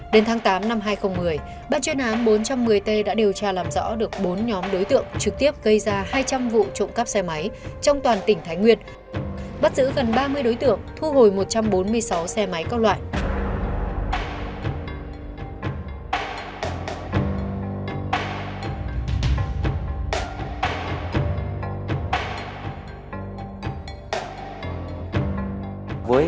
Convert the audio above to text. đến tháng tám năm hai nghìn một mươi bác chuyên án bốn trăm một mươi t đã điều tra làm rõ được bốn nhóm đối tượng trực tiếp gây ra hai trăm linh vụ trộm cắp xe máy trong toàn tỉnh thái nguyên bắt giữ gần ba mươi đối tượng thu hồi một trăm bốn mươi sáu xe máy các loại